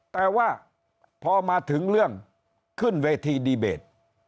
แต่ว่าพอมาถึงเรื่องขึ้นเวทีดีเบต